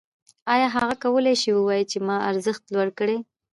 آیا هغه کولی شي ووايي چې ما ارزښت لوړ کړی